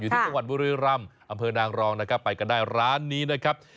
อยู่ที่ตะวันบุรีรัมอำเภอนางรองไปกันได้ร้านนี้นะครับ